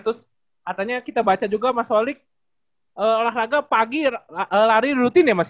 terus katanya kita baca juga mas wali olahraga pagi lari rutin ya mas